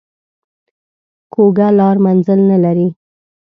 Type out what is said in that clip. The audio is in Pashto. کوږه لار منزل نه لري